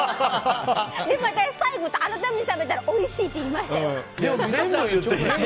でも私、最後改めて食べたらおいしいって言いましたよ。